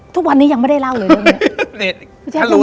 ทุกวันนี้ยังไม่ได้เล่าเลยเรื่องนี้